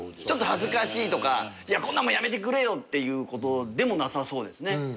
ちょっと恥ずかしいとかこんなのやめてくれよっていうことでもなさそうですね。